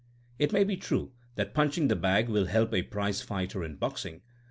It may be true that punching the bag will help a prizefighter in boxing.